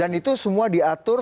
dan itu semua diatur